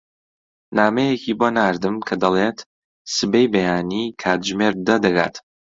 نامەیەکی بۆ ناردم کە دەڵێت سبەی بەیانی کاتژمێر دە دەگات.